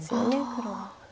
黒は。